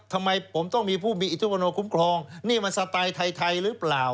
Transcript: ทำไมผมต้องมีผู้มีอิทธิปโนคุ้มครองนี่มันสไตล์ไทยหรือเปล่า